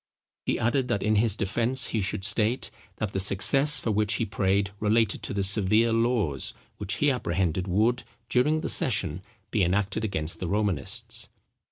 He added, that in his defence he should state, that the success for which he prayed related to the severe laws, which he apprehended would, during the session, be enacted against the Romanists.